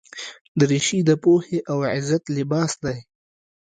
دریشي د پوهې او عزت لباس دی.